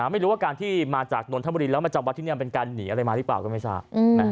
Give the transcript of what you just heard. ไม่รู้ว่าการที่มาจากนวลธรรมดิแล้วมาจากวัฒนิยมเป็นการหนีอะไรมาหรือเปล่าก็ไม่ทราบ